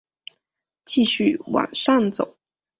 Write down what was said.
继续往上走